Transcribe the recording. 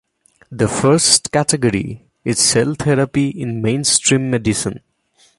The first category is cell therapy in mainstream medicine.